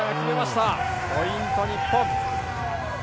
ポイント、日本。